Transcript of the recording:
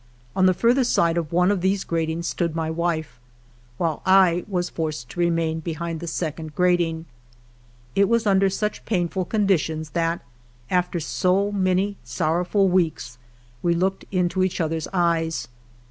On the further side of one of these gratings stood my wife, while I was forced to remain behind the second grating. It was under such painful conditions that, after so many sorrowful weeks, we looked into each other's eyes.